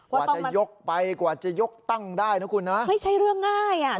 กว่าจะยกไปกว่าจะยกตั้งได้นะคุณนะไม่ใช่เรื่องง่ายอ่ะ